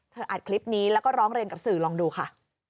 อัดคลิปนี้แล้วก็ร้องเรียนกับสื่อลองดูค่ะ